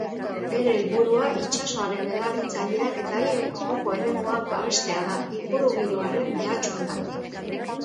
Bere helburua itsasoaren erabiltzaileak eta haien joko eremuak babestea da, ingurugiroaren mehatxuengandik.